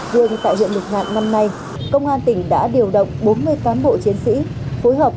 riêng tại huyện lục ngạn năm nay công an tỉnh đã điều động bốn mươi cán bộ chiến sĩ phối hợp